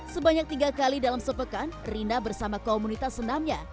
sebanyak tiga kali dalam sepekan rina bersama komunitas senamnya